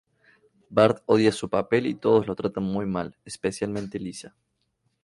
Bart odia su papel y todos lo tratan muy mal, especialmente Lisa.